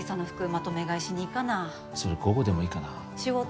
まとめ買いしに行かなそれ午後でもいいかな仕事？